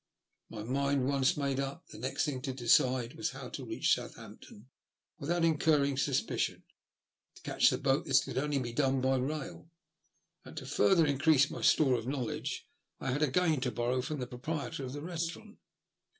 My mind once made up, the next thing to decide was how to reach Southampton without incurring suspicion. To catch the boat this could only be done by rail, and to further increase my store of knowledge I had again to borrow from the proprietor of the restaurant.